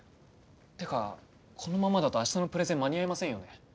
っていうかこのままだと明日のプレゼン間に合いませんよね。